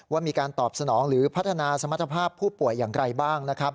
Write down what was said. ว่ามีการตอบสนองหรือพัฒนาสมรรถภาพผู้ป่วยอย่างไรบ้างนะครับ